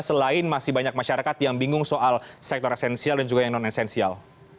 selain masih banyak masyarakat yang bingung soal sektor esensial dan juga yang non esensial